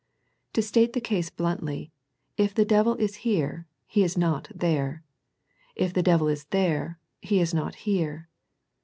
To state the case bluntly, if the devil is here, he is not there. If the devil is there he is not here.